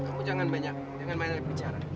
kamu jangan banyak jangan banyak bicara